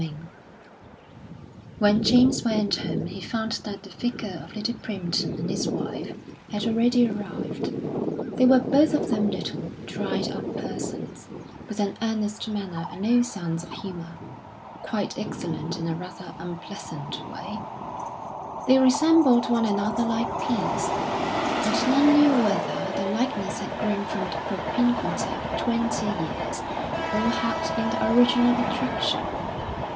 IV When James went home he found that the Vicar of Little Primpton and his wife had already arrived. They were both of them little, dried up persons, with an earnest manner and no sense of humour, quite excellent in a rather unpleasant way; they resembled one another like peas, but none knew whether the likeness had grown from the propinquity of twenty years, or had been the original attraction.